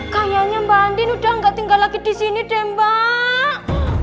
kayaknya mbak andin udah gak tinggal lagi di sini deh mbak